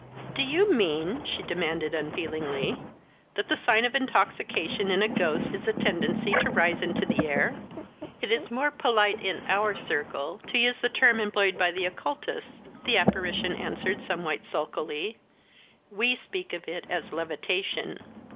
"Do you mean," she demanded unfeelingly, "that the sign of intoxication in a ghost is a tendency to rise into the air?" "It is considered more polite in our circle to use the term employed by the occultists," the apparition answered somewhat sulkily. "We speak of it as 'levitation.'"